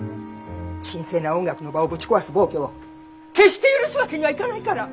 神聖な音楽の場をぶち壊す暴挙を決して許すわけにはいかないから！